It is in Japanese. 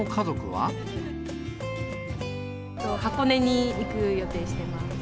箱根に行く予定してます。